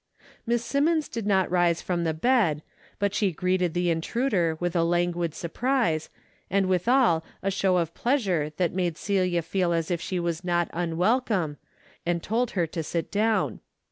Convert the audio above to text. Miss Simmons did not rise from the bed, but she greeted the intruder with a languid sur prise, and withal a show of pleasure that made Celia feel she was not unwelcome, and told her to sit down.